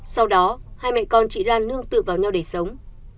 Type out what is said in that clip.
sau đó hai mẹ con chị lan nương tự vào nhau để sống